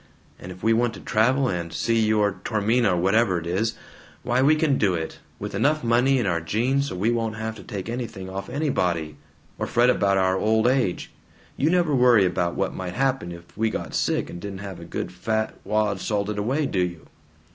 and if we want to travel and see your Tormina or whatever it is, why we can do it, with enough money in our jeans so we won't have to take anything off anybody, or fret about our old age. You never worry about what might happen if we got sick and didn't have a good fat wad salted away, do you!"